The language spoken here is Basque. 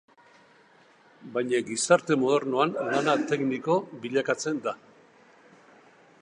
Baina gizarte modernoan lana tekniko bilakatzen da.